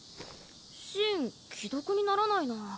シン既読にならないな。